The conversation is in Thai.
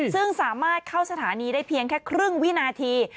ซึ่งสามารถเข้าสถานีได้เพียงแค่ครึ่งวินาที